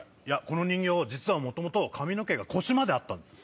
この人形実は元々髪の毛が腰まであったんです。